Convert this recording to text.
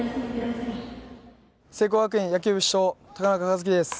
聖光学院野球部主将の高中一樹です。